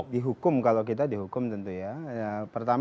dihukum kalau kita dihukum tentunya